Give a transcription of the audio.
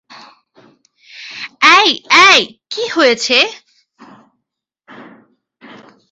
এ্যাই, এ্যাই, কী হয়েছে?